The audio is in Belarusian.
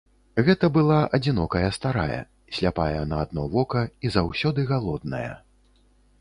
Гэта была адзінокая старая, сляпая на адно вока і заўсёды галодная.